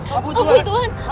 ampun tuhan ampun tuhan